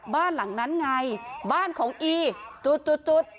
บ้านหลังนั้นไงบ้านของอีจุดจุด